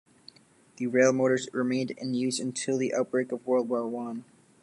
The railmotors remained in use until the outbreak of World War One.